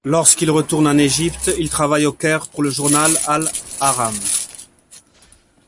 Lorsqu'il retourne en Égypte, il travaille au Caire pour le journal Al-Ahram.